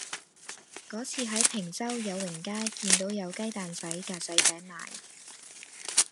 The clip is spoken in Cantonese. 嗰次喺坪洲友榮街見到有雞蛋仔格仔餅賣